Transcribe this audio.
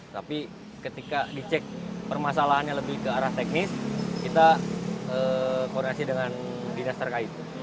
tapi ketika dicek permasalahannya lebih ke arah teknis kita koordinasi dengan dinas terkait